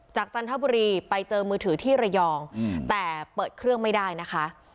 จันทบุรีไปเจอมือถือที่ระยองแต่เปิดเครื่องไม่ได้นะคะ